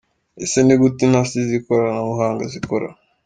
Ese ni gute intasi z’ikoranabuhanga zikora?.